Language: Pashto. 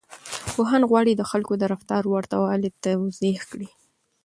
پوهان غواړي د خلکو د رفتار ورته والی توضيح کړي.